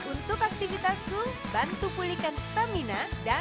untuk aktivitas itu bantu pulihkan stamina